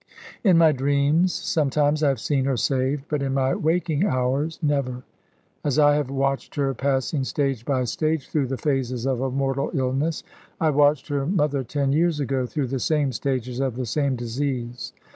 In my dreams sometimes I have seen her saved; but in my waking hours, never. As I have watched her passing stage by stage through the phases of a mortal illness, I watched her mother ten years ago through the same stages of the same disease.